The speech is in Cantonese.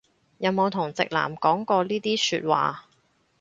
有冇同直男講過呢啲説話